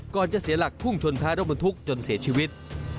จะเสียหลักพุ่งชนท้ายรถบรรทุกจนเสียชีวิต